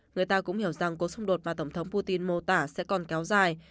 người ta cũng hiểu rằng cuộc xung đột mà tổng thống putin mô tả sẽ còn kéo dài